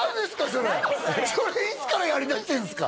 それそれいつからやりだしてんすか？